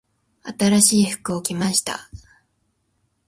新しい服を着ました。